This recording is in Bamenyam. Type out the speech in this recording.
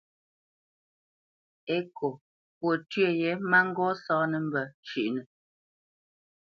Ekô fwo tyə yě má ŋgó sáánə̄ mbə́ shʉ́ʼnə.